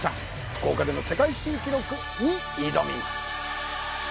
福岡での世界新記録に挑みます